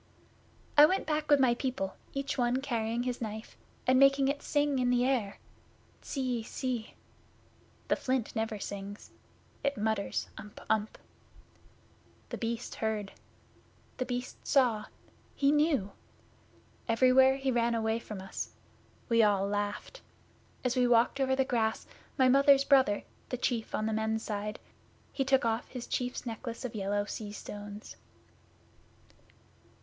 'I went back with my people, each one carrying his Knife, and making it sing in the air tssee sssse. The Flint never sings. It mutters ump ump. The Beast heard. The Beast saw. He knew! Everywhere he ran away from us. We all laughed. As we walked over the grass my Mother's brother the Chief on the Men's Side he took off his Chief's necklace of yellow sea stones.